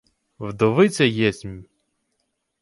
— Вдовиця єсмь.